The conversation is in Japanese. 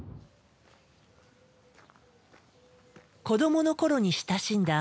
子どもの頃に親しんだ